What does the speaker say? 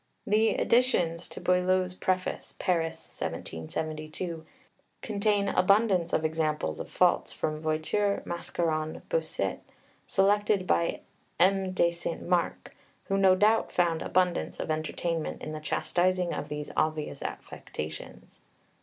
The additions to Boileau's preface (Paris, 1772) contain abundance of examples of faults from Voiture, Mascaron, Bossuet, selected by M. de St. Marc, who no doubt found abundance of entertainment in the chastising of these obvious affectations.